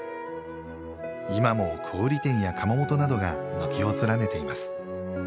今も小売店や窯元などが軒を連ねています